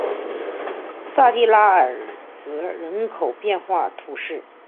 萨蒂拉尔格人口变化图示